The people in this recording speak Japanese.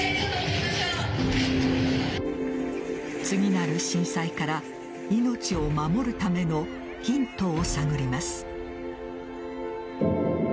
次なる震災から命を守るためのヒントを探ります。